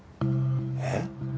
えっ？